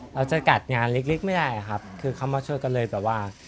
จะจัดงานเล็กไม่ได้ครับคือเขามาช่วยกันเลยแบบว่า